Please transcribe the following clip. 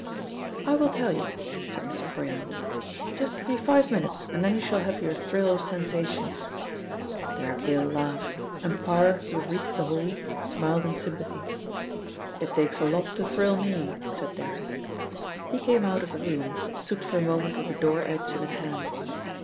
"I will tell you," said Mr. Froyant. "Just give me five minutes and then you shall have your thrill of sensation." Derrick Yale laughed, and Parr, who had reached the hall, smiled in sympathy. "It takes a lot to thrill me," said Derrick. He came out of the room, stood for a moment with the door edge in his hand.